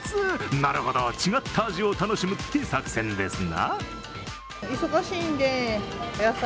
なるほど、違った味を楽しむって作戦ですな。